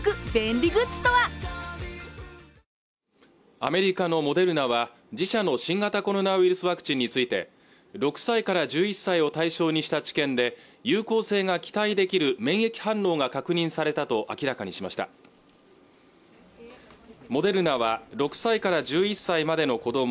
アメリカのモデルナは自社の新型コロナウイルスワクチンについて６歳から１１歳を対象にした治験で有効性が期待できる免疫反応が確認されたと明らかにしましたモデルナは６歳から１１歳までの子ども